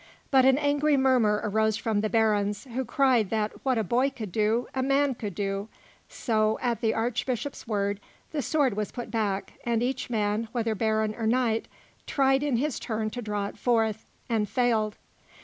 But an angry murmur arose from the barons, who cried that what a boy could do, a man could do; so, at the Archbishop's word, the sword was put back, and each man, whether baron or knight, tried in his turn to draw it forth, and failed.